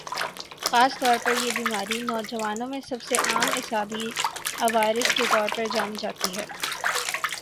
خاص طور پر یہ بیماری نوجوانوں میں سب سے عام اعصابی عوارض کے طور پر جانی جاتی ہے